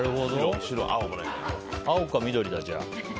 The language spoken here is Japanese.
青か緑だ、じゃあ。